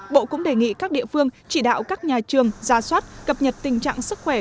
bộ cũng đề nghị các địa phương chỉ đạo các nhà trường gia soát cập nhật tình trạng sức khỏe